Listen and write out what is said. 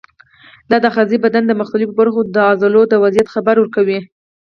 دا آخذې د بدن د مختلفو برخو د عضلو د وضعیت خبر ورکوي.